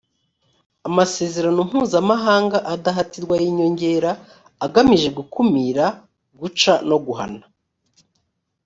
amasezerano mpuzamahanga adahatirwa y inyongera agamije gukumira guca no guhana